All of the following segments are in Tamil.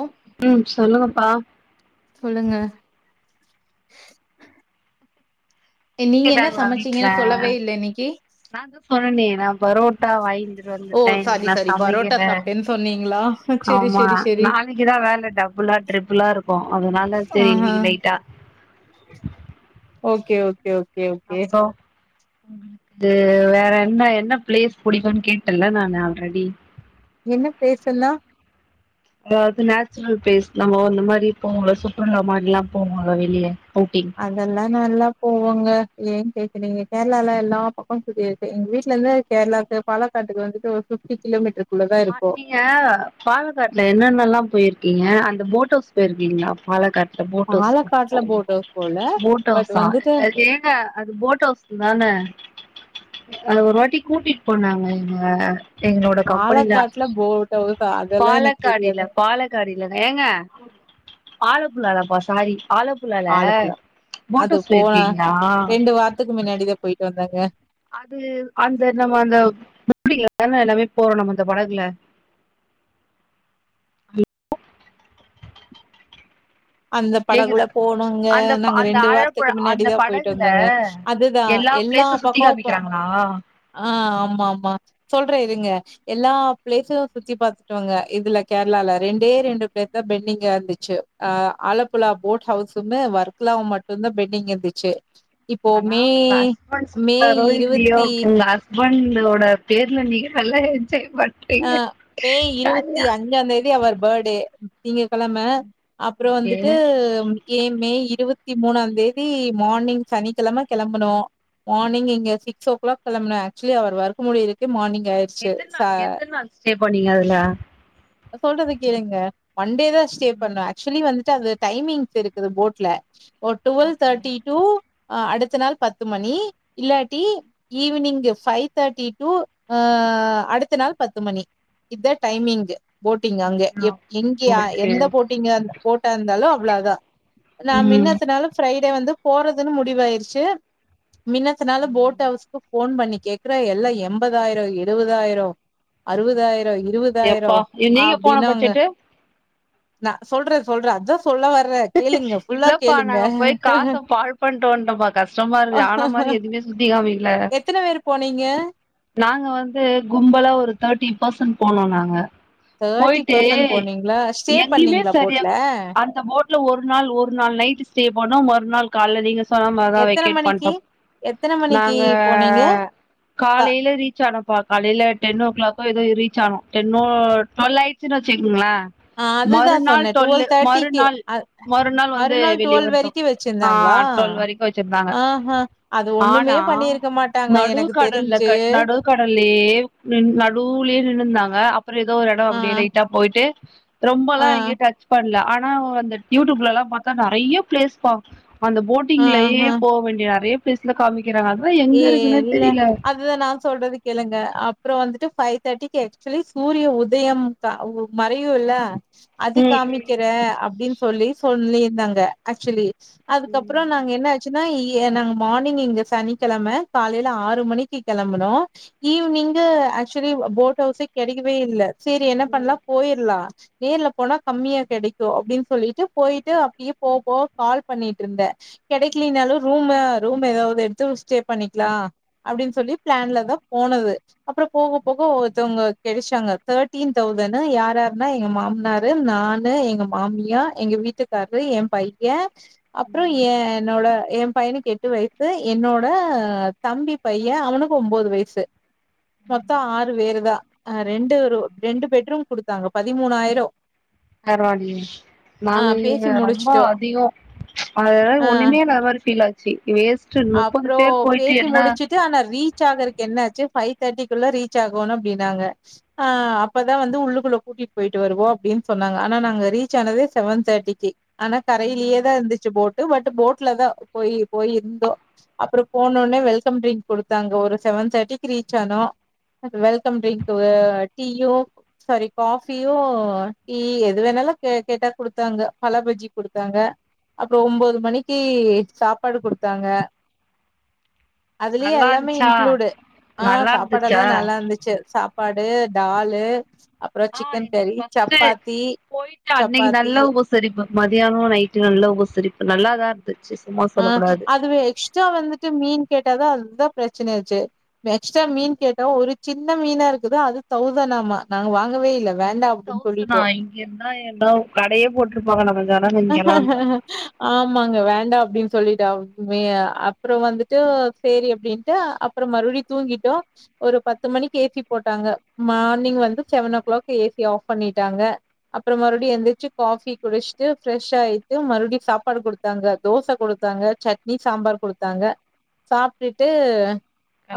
ஓ ம் சொல்லுங்கப்பா சொல்லுங்க நீங்க என்ன கேட்டாங்களா வீட்ல சமச்சீங்கன்னு சொல்லவே இல்ல இன்னக்கி நா தா சொன்னனே நா பரோ ட்டா வாய்ந்துட்டு ஓ வந்துட்டேன் சாரி நா சாரி பரோட்டா சமைக்கல சாப்ட்டேன்னு சொன்னீங்களா செரி ஆமா செரி செரி நாளைக்குதா வேல டபுளா ட்ரிபிளா இருக்கும் அதனால சரி ஆஹா இன்னைக்கி லைட்டா ஓகே ஓகே ஓக் அப்றோ உங்குளுக்கு வேற என்ன என்ன ப்ளேஸ் புடிக்குன்னு கேட்டல நா ஆல்ரெடி என்ன ப்ளேஸ்னா அதாவது நேச்சுரல் ப்ளேஸ் நம்ப அந்த மாரி போவோன்லே சுற்றுலா மார்லா போவோம்ல வெளியே அவுட்டிங் அதெல்லா நல்லா போவாங்க ஏன் கேக்குறீங்க கேரளால எல்லா பக்கம் சுத்தியா எங்க வீட்ல இருந்து கேரளாக்கு பாலக்காட்டுக்கு வந்துட்டு ஒரு பிப்டி கிலோ மீட்டர் [unintelligible] நீங்க பாலக்காட்டுல என்னென்ன ல்லாம் போயிருக்கீங்க அந்த போட் ஹவுஸ் போயிருக்கீங்களா பாலக்காட் போட் ஹவுஸ் பாலக்காட்டுல போட் ஹவுஸ் போல போட் பட் ஹவுசா வந்துட்டு எங்க அது போட் ஹவுஸ் தானே அத ஒரு வாட்டி கூட்டிட்டு போனாங்க எங்க எங்களோட கம் காட்டுல போட்ஹவுசா அதெல்லா எனக்கு பாலக்காடில தெரியாதுங் பாலக்காடில ஏங்க ஆலப்புள்ளப்பா சாரி ஆலப் ஆலப்புல அது போன ரெண்டு வாரத்துக்கு முன்னாடிதா போயிட்டு வந்தேங்க அது அந்த நம்ம அந்த மூடில [inaudible] தான எல்லாமே போவோ நம்ம அந்த படகுல அந்த படகுல கேக்குதா போனோங்க அந்த ப- நாங்க அந்த ரெண்டு வாரத்துக்கு ஆழப்புழா அந்த மின்னாடிதா போயிட்டு படகுல வந்தங்க அதுதா எல்லா பிளேஸும் சுத்தி பக்ககோ காமிக்கிறாங்களா அ ஆமா ஆமா சொல்றேன் இருங்க எல்லா ப்ளேஸும் சுத்தி பாத்துட்டுடோங்க இதுல கேரளால ரெண்டே ரெண்டு ப்ளேஸ் தா பென்டிங்கா இருந் சே அ ஆலப்புழா போட் ஹவுஸ்மு ஒர்க்லாம் மட்டுதா பெட்டிங் இருந்துச்சு இப்போ ஆனா மே உங்க ஹஸ்பண்ட் மே சுத்துறாரோ இல்லையோ இருவத்தி உங்க ஹஸ் பண்டுடோட பேர்ல நீங்க நல்லா என்ஜாய் பண் அ மே இருபத்தி அஞ்சா தேதி அவர் பேர்டே நீங்க கெழம அப்றோ ஓகே வந்துட்டு ஏ மே இருபத்தி மூணாம் தேதி மார்னிங் சனிக்கிழம கிளம்பனோ மார்னிங் இங்க சிக்ஸ் ஓ கிலாக் கிளம்பன ஆக்சுவலி அவர் ஒர்க் முடியருக்கு மார்னிங் ஆயிரு எத்தன் நாள் எத்தன் நாள் ஸ்டே பண்ணீங்க அதுல சொல்றது கேளுங்க ஒன் டே தா ஸ்டே ம் பண்ணு ஆக்சுவலி வந்துட்டு அது டைமிங்ஸ் இருக்குது போட் ல ஓ டுவெல் ஓகே தேர்டி டு அடுத்த நாள் பத்து மணி இல்லாட்டி ஈவினிங்கு ஃபைவ் தேர்டி டு ஆ அடுத்த நாள் பத்து மணி இதா டைமிங்கு போட்டிங் அங்க ஓகே எ எங்க ஓகே எந்த போட்டிங்க போட்டா இருந்தாலு அவ்வளோ தா நா ம் மின்னத்தினாலு ஃப்ரைடே வந்து போறதுன்னு முடிவயிருச்சு மின்னத்தனாலூ போட் ம் ஹவுஸ்க்கு போன் பண்ணி கேக் கற எல்லா எண்பதாயிரோ எழுபதாயிரோ அறுபதாயிரோ இருபதாயிரோ எப்பா நீங்க போன அப்படின்னங்க பட்ஜெட்டு நா சொல்ற சொல்ற அதா சொல்ல வர்றே கேளுங்க ஃபுல்லா இல்லப்பா கேளுங்க நாங்க போய் காச பால் பண்ணிட்வன்டோப்பா கஷ் டமா இருக்கு ஆனா மாரி எதுவுமே சுத்தி காமிக்ல எத்தன பேர் போனீங்க நாங்க வந்து கும்பல ஒரு தேர்ட்டி பர்சன் போனோ நாங்க தேர்ட்டி போயிட்டு பர்சன்ட் போனீங்களா ஸ்டே எங்கயுமே பண்ணீங்களா சரியா போட்ல அந்த போட் ல ஒரு நாள் ஒரு நாள் நைட் ஸ்டே பனோ மறுநாள் கால நீீங்க சொன்ன மார்தா எத்தன வெக்கேட் பண்டோ மணிக்கு எத்தன மணிக்கு நாங்க போனீங்க காலையில ரீச் ஆனோம்ப்பா காலையில டென் ஓ கிளாக்கோ ஏதோ ரீச் ஆணோ டென்நோ டுவெல் ஆயி ச்சுன்னு வச்சுங்களே ஆ அதுதா மறுநாள் சொன்னே டுவெல் டுவெலு தேர்ட்டிக்கு மறுநாள் அ மறுநாள் வந்து வெளிய டுவெல் வண்டோ வரைக்கு ஆ வச்சிருந்தாங்களா டுவெல் வரைக்கு வச்சிருந்தாங்க ஆஹா அது ஒண்ணுமே ஆனா பண்ணிருக்க மாட்டாங்க நடு எனக்கு கடல்ல தெரிஞ்சு கட் நடு கடல்லயே நடுலேயே நின்னுந்தாங்க அப்றோ ஏதோ ஒரு எடம் ஆ அப்டியே லைட்டா போயிட்டு ரொம்பெல்லா ஆ எங்கே டச் பண்ணல ஆனா வந்துட் யூடியூப்லல்லா பாத்தா நெறைய பிளேஸ் பா அந்த போட்டிங்லயே ஆஹா போக வேண்டிய நெறைய பிளேஸ்லா காமிக்கிறாங்க அதுதா ஏ எங்க இருக்குன்னே இல்ல தெரில அதுதா நா சொல்றது கேளுங்க அப்றம் வந்துட்டு பஃபைவ் தேர்ட்டிக்கு ஆக்சுவலி சூரிய உதயம் தா மறையுல்ல அது காமிக்கற அப்டின்னு சொல்லி சொல்லிருந்தாங்க ஆக்சுவலி அதுக்கப்றம் நாங்க என்ன ஆச்சுன்னா இ நாங்க மார்னிங் இங்க சனி க்கெழம காலையில ஆறு மணிக்கு கெளம்புனோ ஈவி்னிங்கு ஆக்சுவலி போட் ஹவுஸே கிடைக்கவே இல் செரி என்ன பண்ணலா போயிடலா நேர்ல போனா கம்மியா கெடைக்கு அப்டின்னு சொல்லிட்டு போயிட்டு அப்பயே போக போக கால் பண்ணிட்டு இருந்த கெடைக்கலினாலும் ரூமா ரூம் ஏதாவது எடுத்து ஸ்டே பண்ணிக்கலா அப்டின்னு சொல்லி பிளான்ல தா போனது அப்றோ போக போக ஒருத்தவங்க கிடைச்சாங்க தேர்டீன் தௌசண்ட யார் யாருன்னா எங்க மாமனார் ரு நானு எங்க மாமியா எங்க வீட்டுக்காரரு என் பை ய அப்றோ என் என்னோட என் பையனுக்கு எட்டு வயசு என்னோ ட தம்பி பைய அவனுக்கு ஒன்பது வயசு மொத்தோ ஆறு பேரு தா ஆ ரெண்டு ரூ ரெண்டு பெட்ரூம் குடுத்தாங்க பதிமூணாயிரோ பரவாயில்லயே ஆ நாங்க இங்க பேசி ரொம்ப முடிச்சுட்டோ அதிகோ அட ஆ ஆ ஒண்ணுமே இல்லாத மாரி ஃபீல் ஆ வேஸ்ட்டு முப்பது பேர் போயிட்டு என்ன ச்சு ஆனா ரீச் ஆகுறக்கு என்ன ஆச்சு பைவ் தேர்ட்டிக்குள்ள ரீச் ஆகோனும் அப்டினாங்க ஆ அப்பதா வந்து உள்ளுக்குள்ள கூட்டிட்டு போயிட்டு வருவோம் அப்டின்னு சொன்னாங்க ஆனா நாங்க ரீச் ஆனதே செவன் தேர்ட்டிக்கு ஆனா கரையிலேயே தா இருந்துச்சு போட்டு பட் போட்ல தான் போயி போயி இருந்தோ அப்புரோ போனோனே வெல்கம் ட்ரிங்க் கொடுத்தாங்கோ ஒரு செவன் தேர்ட்டிக்கு ரீச் ஆணோ அ வெல்கம் ட்ரிங்க்கு டீயு சாரி காபியு டீ எது வேணாலு கேட்டா குடுத்தாங்க பழபஜ்ஜி குடுத்தாங்க அப்ரோ ஒம்போது மணிக்கு சாப்பாடு கொடுத்தாங்க அதுலயே நல்லா எல்லாமே இருந்துச்சா இன்குளூடு ஆ நல்லா சாப்பாடு இருந்துச்சா எல்லா நல்லா இருந்துச்சு சா ப்பாடு டாலு அப்ரோ ஆ சிக்கன் எங்களுக்கு கரி ஃபஸ்ட்டு சப்பாத்தி சப்பாத்தி சரிப்பு மதியானோ நைட்டு நல்ல உபசரிப்பு நல்லாதா வெச்சு சும்மா ஆ சொல்ல கூடாது அதுவே எக்ஸ்ட்ரா வந்துட்டு மீன் கேட்டாதா அதுதா பிரச்சனை ஆயிருச்சு நெக்ஸ்டா மீன் கேட்டோ ஒரு சின்ன மீனா இருக்குது அது தௌசண் ஆமா நாங்க வாங்கவே இல்ல வேண்டா என்னது அப்டின்னு தவ்சனா சொல்லிட்டோ இங்க இருந்தா எல்லா ஒரு கடையே போட்டிருப்பாங்க [unintelligible] இங்கெல்லா இருந்தா ஆமாங்க வேண்டா அப்டின் சொல்லிட்டுமே அப்ரோ வந்துட்டு சேரி அப்டின்ட்டு அப்ரோ மறுபடியு தூங்கிட்டோ ஒரு பத்து மணிக்கு ஏசி போட்டாங்க மார்னிங் வந்து seven o'clock AC off பண்ணிட்டாங்க அப்ரோ மறுபடியு எந்திரிச்சு காபி குடிச் ரெஷ் ஆயிட்டு மறுபடியு சாப்பாடு கொடுத்தாங்க தோச கொடுத்தாங்க சட்னி சாம்பார் கொடுத்தாங்க சாப்ட்டுட்டு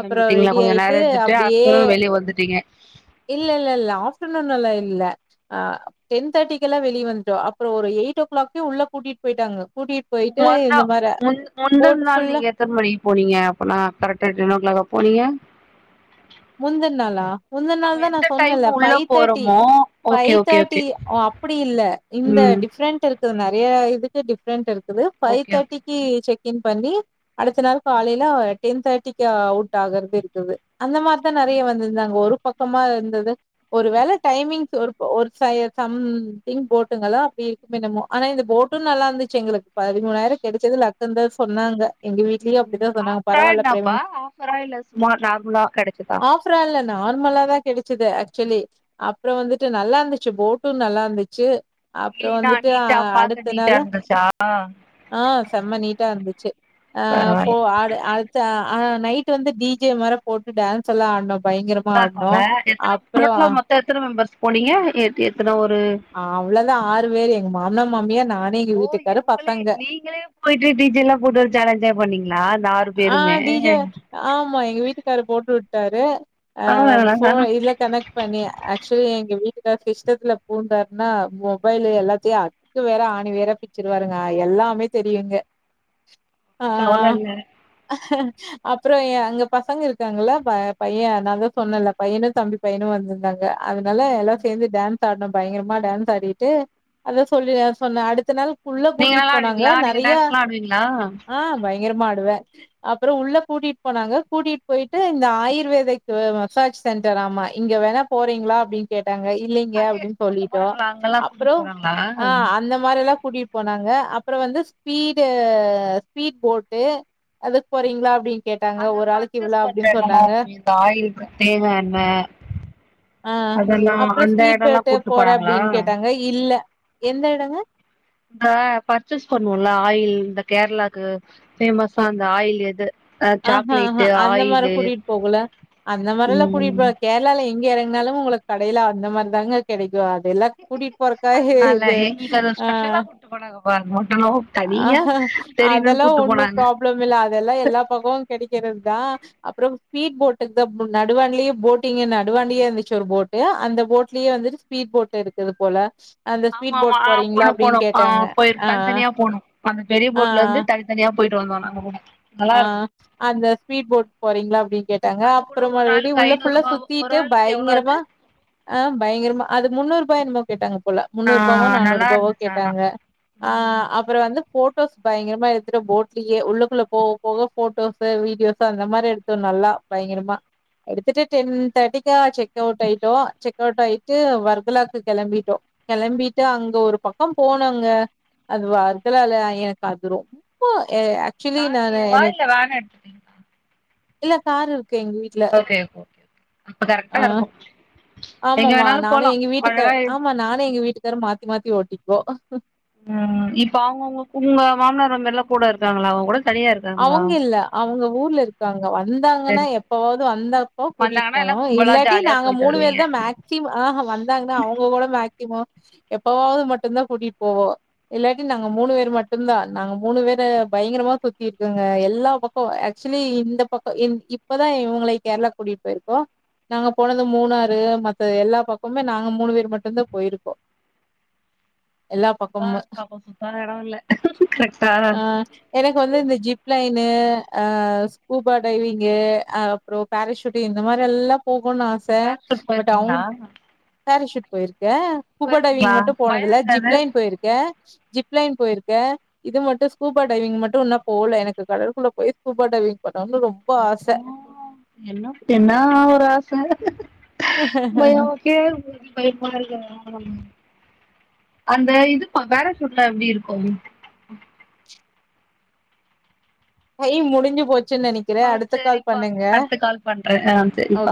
அப்ரோ ரெடி கொஞ்ச ஆயிட்டு நேரோ இருந்துட்டு அப்டியே ஆஃப்டர்நூன் வெளிய வந்துட்டீங்க இல்ல இல்ல இல்ல ஆப்டர்நூன்ல்லா இல்ல டென் தேர்டிக்குல்லா வெளியே வந்துட்டோ அப்ரோ ஒரு எயிட் ஓ கிளாக்கே உள்ளே கூட்டிட்டு போயிட்டாங்க கூட்டிட்டு போயிட்டு மறுநா இந்த மார முந் முந்தன் போட் நாள் புல்லா நீங்க எத்தன மணிக்கு போனீங்க அப்பனா கரக்ட்டா டென் ஓ கிளாக போனீங்க முந்துன நாளா முந்துன நாள் நம்ம தா நா எந்த டைம் சொன்னேல உள்ள ஃபைவ் தேட்டி போறோமோ okay five okay okay thirty ஓ அப்டி இல்ல இந்த ம் டிஃப்ரெண்ட் இருக்குது நெறைய இதுக்கு டிஃப்ரென்ட் இருக்குது பைவ் ஓகே ஓகே தேர்டிக்கு செக் இன் பண்ணி அடுத்த நாள் காலையில டென் தேர்ட்டிக்கு அவுட் ஆகுறது இருக்குது அந்த மாரி நெறைய வந்திருந்தாங்க ஒரு பக்கமா இருந்தது ஒரு வேள டைமிங்ஸ் ஒரு ஒரு ச சம்திங் போட்டுங்களா அப்டி மினமோ ஆனா இந்த போட்டு நல்லா இருந்துச்சு எங்களுக்கு பதிமூணாயிரக்கு கிடைச்சது லக்குந்துதா சொன்னாங்க எங்க வீட்லயு அப்டிதா சொண்ணாக பரவால்ல பிரேமா கராயலசுமா நார்மலா கிடைச்சதா ஆப்ரா இல்ல நார்மலா தா கிடைச்சது ஆக்சுவலி அப்ரோ வந்துட்டு நல்லா இருந்துச்சு போட்டு நல்லா இருந்துச்சு அப்ரோ கிளீனா வந்துட்டு அ நீட்டா பாக்க அடுத்த நீட்டா நாள இருந்துச்சா ஆ செம்ம நீட்டா இருந்துச்சு ஆ ஃபோ பரவால்ல ஆடு ஆ அடுத்து அ நைட்டு வந்து டி ஜே மார போட்டு டேன்ஸ்ஸெல்லா ஆட்னோ சூப்பரா இருக்குல்ல எத்தன [unintelligible] டோட்டலா மொத்தோ எத்தன மெம்பர்ஸ் போனீங்க எத்தன ஒரு அவ்ளதா ஆறு பேரு எங்க மாமனா மாமியார் நானு எங்க ஓ வீட்டுக்காரு பக் உங்களே நீங்களே போயிட்டு டீஜேல்லா போட்டு ஒரு ஜேலஞ்சாய் பண்ணீங்களா இந்த ஆறு ஆ பேருமே டி ஜே ஆமா எங்க வீட்டுக்காரு போட்டு விட்டாரு அ ஃபோன் பரவால்ல இதுல கனெக் பண்ணி ஆக்சுலி எங்க வீட்டுகார் சிஸ்டத்துல பூந்தாருனா மொபைல் எல்லாத்தயு அக்கு வேறா ஆணி வேறா பிச்சிருவாருங்க எல்லாமே தெரியுங்க கவலயில்ல அஹ்ஹ அப்றோ எ அங்க பசங்க இருக்காங்கல்ல ப பையன் நான்தா சொன்னல்ல பையனு தம்பி பையனு வந்திந்தாங்க அதனால ம் எல்லா சேந்து டேன்ஸ் ஆட்னோ பயங்கரமா டேன்ஸ் ஆடிட்டு அத சொல்லி நா சொன்ன அடுத்த நாள் உள்ள நீங்க கூட்டிட்டு நல்லா போனாங்க ஆடுவீங்களா நீங்க நெறயா டான்ஸ் எல்லா ஆடுவீங்களா ஆ பயங்கரமா ஆடுவ அப்றோ உள்ள கூட்டிட்டு போனாங்க கூட்டிட்டு போயிட்டு இந்த ஆயுர்வேதக் மசாஜ் சென்டர் ஆமா இங்க வேணா போறீங்ளா அப்டின் கேட்டாங்க இல்லைங்க அங்க அப்டின் கூட்டு சொல்லிட்டோ போறாங்களா அங்கெல்லா அப்றோ கூட்டிட்டு போறாங்களா ஆ அந்த மாரில்லா கூட்டிட்டு போனாங்க அப்றோ வந்து ஸ்பீடு ஸ்பீட் போட்டு அதுக்கு போறீங்ளா அப்டின் அங்க பர்ச்சேஸ் பண்ற எடமா இந்த ஆயில் தேங்கா எண்ணெ அ அதெல்லா அப்றோ அந்த ஸ்பீடு இடம்லா பேட்டு கூட்டு போற போனாங்களா அப்டின் கேட்டாங்க இல்ல எந்த எடங்க அ பர்ச்சேஸ் பண்ணுவோல்ல ஆயில் இந்த கேரளாக்கு ஃபேமஸா இந்த ஆயில் எது அ ஆஹா ஆஹா சாக்லேட்டு அந்த மாரி ஆயிலு கூட்டிட்டு போகல அந்த மாரில்லா கூட்டிட்டு போ ம் கேரளால எங்க எறங்குனாலு உங்களுக்கு கடைல அந்த மாரிதாங்க கெடைக்கு அதெல்லா கூட்டிட்டு போறக்காக இது அ அப்ப நாங்க வர்மாட்டலோ ஆஹா அதெல்லா ஒண்ணு ப்ராப்ளம் இல்ல அதெல்லா எல்லா பக்கமு கெடைக்கறதுதா அப்றோ ஸ்பீட் போட்டுக்குதா போ நடுவான்ட்லயே போட்டிங்க் நடுவான்ட்லயே இருந்துச்சு ஒரு போட்டு அந்த போட்லயே வந்து ஸ்பீட் போட்டு இருக்குது போல அந்த ஸ்பீட் ஆமாமா போட் ஆ போறீங்களா? போனு போனு அப்டின்னு ஆ கேட்டாங்க. போயிரு ஆ, தனித்தனியா போணு அந்த பெரிய போட்ல ஆ. இருந்து தனித்தனியா போயிட்டு வந்தோ நாங்க கூட நல்லா ஆ இருக்கு அந்த ஸ்பீட் போட் போறீங்ளா அப்டின் கேட்டாங்க அது கூட அப்றோ ஒரு மறுபடி ஆளுக்கு உள்ள ஐநூறு ஃபுல்லா ரூபா ஒரு சுத்திட்டு ஆளுக்கு எவ்ளோ அது பயங்கரமா ஆ பயங்கரமா அது முன்னூ ரூபா என்னமோ கேட்டாங்க போட்ல ஆ முன்னூரூபாவோ நல்லா நானூறூரூபாவோ இருந்துச்சு ஆனா கேட்டாங்க அ ம் அப்றோ வந்து போ ட்டோஸ் பயங்கரமா எடுத்துட்டு போட்லயே உள்ளக்குள்ள போ புக ஃபோட்டோஸு வீடியோஸு அந்த மாரி எடுத்தோ நல்லா பயங்கரமா எடுத்துட்டு டென் தேர்ட்டிக்கா செக் அவுட் ஆயிட்டோ செக் அவுட் ஆயிட்டு வர்கலாக்கு கெளம்பிட்டோ கெளம்பிட்டு அங்க ஒரு பக்கோ போனோங்க அது வர்கலால எனக்கு அது ரொம்போ எ ஆக்சுலி நா என் வாய்ல வேணா எடுத்துக்கீங் இல்ல காரு இருக்கு எங்க வீ ஓகே ஓகே அப்ப கரெக்டா இருக்கு எங்க ஆமாமா வேணாலு நானு போலா எங்க வீட்டுக்கார் அழகா ஆமா நானு எங்க வீட்டுக்காரு மாத்தி மாத்தி ஓட்டிப்போ ம் இப்ப அவுங்கவுங்க உங்க மாமனார் வந்தல்ல கூட இருக்காங்ளா அவுங்ககூட தனியா இரு அவுங்க இல்ல அவுங்க ஊர்ல இருக்காங்க வந்தாங்கனா சரி சரி எப்பவாது வந்தப்போ கூட்டி வந்தாங்கன்னா எல்லா போனு கும்பலா இல்லாட்டி ஜாலியா நாங்க போயிட்டு மூணு வருவீங்க வேர்தா மேக்சிம் ஆஹ் வந்தாங்கனா அவுங்க கூட மேக்சிமோ எப்பவாவது மட்டுந்தா கூட்டி போவோ இல்லாட்டி நாங்க மூணு வேரு மட்டுந்தா நாங்க மூணு வேரு பயங்கரமா சு த்தி இருக்குங்க எல்லா பக்கோ ஆக்சுலி இந்த பக்கோ இப்பதான் இவங்கள கேரளா கூட்டிட்டு போயிருக்கோ நாங்க போனது மூணாறு மத்த எல்லா பக்கமே நாங்க மூணு வேர் மட்டுந்தா போயிருக்கோ எல்லா ஆ பக்கமு அப்போ சுத்தாத எடோ இல்ல கரெக்டா ஆ எனக் எனக்கு வந்து இந்த ஜிப் லைனு, ஆ ஸ்கூபா டைவிங்கு, ஆ அப்ரோ பாரஷூட் இந்த மாரி எல்லா போகோன்னு ஆச பேராசூட் பட் அவுங் போயிருக்கீங்களா பாரஷூட் போயிருக்க, ஸ்கூபா டைவிங் போயிருக்கீங்களா மட்டு பயோ போனதுல்ல ஜிப் இருக்காது லைன் போயிருக்க ஜிப் லைன் போயிருக்க இது மட்டு ஸ்கூபா டைவிங் மட் டு இன்னோ போல எனக்கு கடற்குள்ள போய் ஸ்கூபா டைவிங் பண்ணணுன்னு ரொம்ப ஆச எப்போ என்ன என்னா ஒரு ஆச பயோ கே பயமால்லையா [inaudible] அந்த இதுப்பா பாரஷூட்லா எப்படி இருக்கு டைம் முடிஞ்சு போச்சுன்னு நெனைக்கிற அவ்ளோ அடுத்த கால் சரிப்பா பண்ணுங்க அடுத்து கால் பண்றே ஆ சரிப்பா